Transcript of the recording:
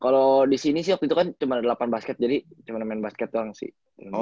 kalo disini sih waktu itu kan cuma ada delapan basket jadi cuma main basket doang sih